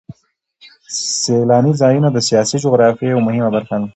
سیلاني ځایونه د سیاسي جغرافیه یوه مهمه برخه ده.